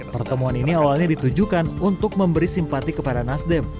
pertemuan ini awalnya ditujukan untuk memberi simpati kepada nasdem